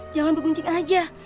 jangan berguncing aja